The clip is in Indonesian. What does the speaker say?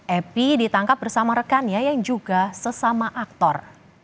epi ditangkap bersama rekannya yang juga sesama aktor